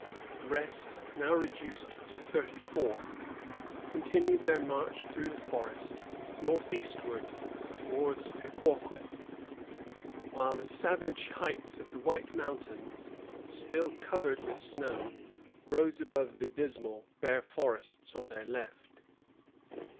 The rest, now reduced to thirty four, continued their march through the forest northeastward towards Pequawket, while the savage heights of the White Mountains, still covered with snow, rose above the dismal, bare forests on their left.